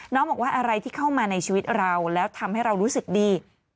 บอกว่าอะไรที่เข้ามาในชีวิตเราแล้วทำให้เรารู้สึกดี